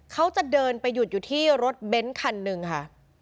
เขาจะเดินไปหยุดอยู่ที่รถเบนท์คันหนึ่งค่ะ